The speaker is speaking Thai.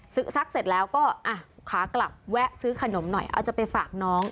ซักเสร็จแล้วก็อ่ะขากลับแวะซื้อขนมหน่อยเอาจะไปฝากน้อง